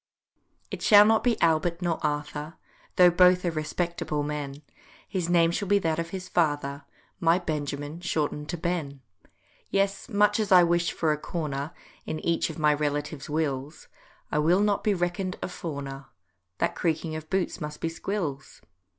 It shall not be "Albert" nor "Arthur," Though both are respectable men, His name shall be that of his father, My Benjamin shorten'd to "Ben." Yes, much as I wish for a corner In each of my relative's wills, I will not be reckon'd a fawner— That creaking of boots must be Squills.